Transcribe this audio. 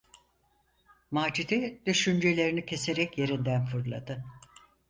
Macide düşüncelerini keserek yerinden fırladı.